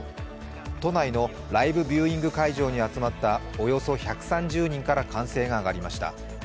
都内のライブビューイング会場に集まったおよそ１３０人から歓声が上がりました。